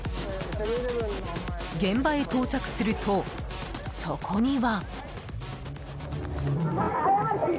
現場へ到着すると、そこには。